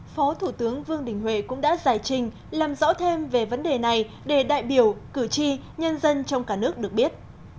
phó thủ tướng vương đình huệ cũng đã giải trình làm rõ thêm về vấn đề này để đại biểu cử tri nhân dân trong cả nước được biết